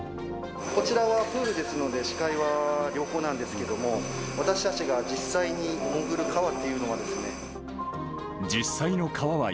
こちらはプールですので、視界は良好なんですけども、私たちが実際に潜る川というのは。